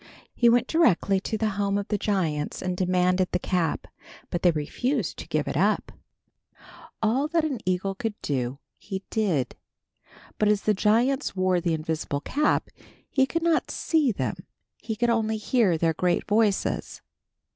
He went directly to the home of the giants and demanded the cap, but they refused to give it up. All that an eagle could do, he did, but as the giants wore the invisible cap he could not see them. He could only hear their great voices.